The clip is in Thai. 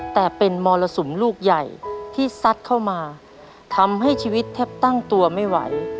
แต่เป็นมรสุมลูกใหญ่ที่ซัดเข้ามาทำให้ชีวิตแทบตั้งตัวไม่ไหว